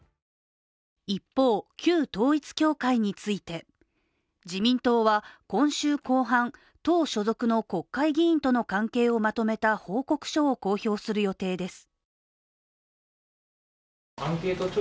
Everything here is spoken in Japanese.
一方、旧統一教会について、自民党は今週後半、党所属の国会議員との関係をまとめた報告書を公表する予定です。